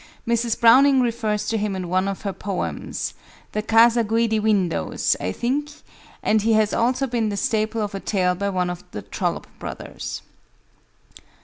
Mrs. Browning refers to him in one of her poems the "Casa Guidi Windows," I think and he has also been the staple of a tale by one of the Trollope brothers.